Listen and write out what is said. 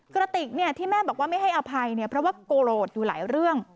กระติกที่แม่บอกว่าไม่ให้อภัยเพราะว่าโกรธอยู่หลายเรื่อง